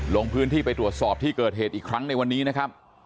ลงพื้นที่ไปตรวจสอบที่เกิดเหตุอีกครั้งในวันนี้นะครับ